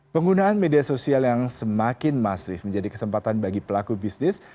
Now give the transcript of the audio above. penggunaan media sosial yang semakin masif menjadi kesempatan bagi pelaku bisnis